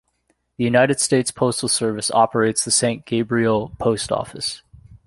The United States Postal Service operates the Saint Gabriel Post Office.